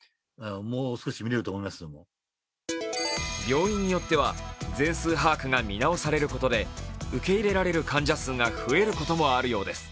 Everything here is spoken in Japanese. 病院によっては全数把握が見直されることで受け入れられる患者数が増えることもあるようです。